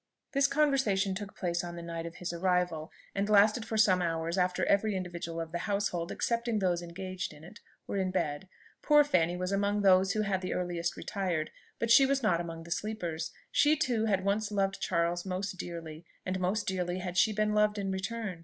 This conversation took place on the night of his arrival, and lasted for some hours after every individual of the household, excepting those engaged in it, were in bed. Poor Fanny was among those who had the earliest retired, but she was not among the sleepers. She too had once loved Charles most dearly, and most dearly had she been loved in return.